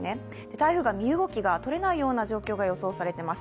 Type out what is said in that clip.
台風が身動きがとれないような状況が予想されています。